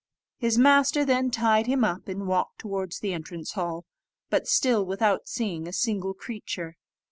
His master then tied him up, and walked towards the entrance hall, but still without seeing a single creature.